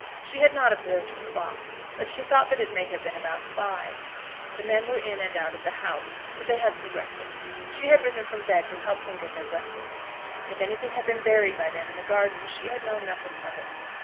She had not observed the clock, but she thought that it may have been about five. The men were in and out of the house, but they had some breakfast. She had risen from bed to help to get them their breakfast. If anything had been buried by them in the garden, she had known nothing of it.